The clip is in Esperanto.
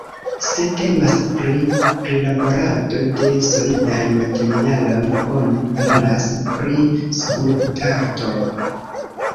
Se temas pri prilaborado de solidaj materialoj oni parolas pri skulptarto.